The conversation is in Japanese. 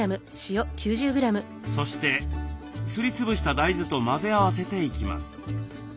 そしてすり潰した大豆と混ぜ合わせていきます。